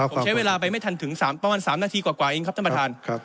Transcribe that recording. ผมใช้เวลาไปไม่ทันถึงประมาณ๓นาทีกว่าเองครับท่านประธาน